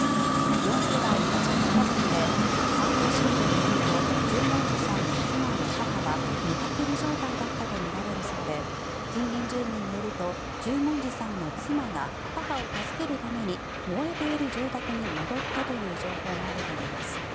４世代８人家族で産経新聞によると十文字さんの妻の母は寝たきり状態だったとみられるそうで近隣住民によると十文字さんの妻が母を助けるために燃えている住宅に戻ったという情報もあるといいます。